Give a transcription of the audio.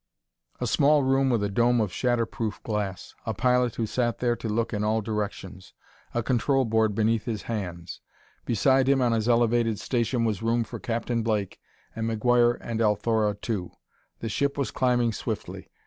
A small room with a dome of shatter proof glass; a pilot who sat there to look in all directions, a control board beneath his hands. Beside him on his elevated station was room for Captain Blake, and McGuire and Althora, too. The ship was climbing swiftly.